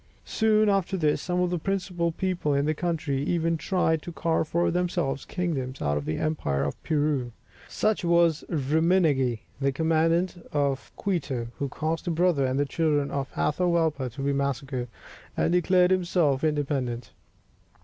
Soon after this, some of the principal people in the country even tried to carve for themselves kingdoms out of the empire of Peru. Such was Ruminagui, the commandant of Quito, who caused the brother and the children of Atahualpa to be massacred, and declared himself independent.